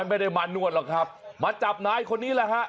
ไม่ได้มานวดหรอกครับมาจับนายคนนี้แหละฮะ